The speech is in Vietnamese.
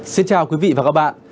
xin chào quý vị và các bạn